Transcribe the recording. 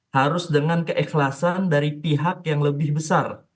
harus dengan keikhlasan dari pihak yang lebih besar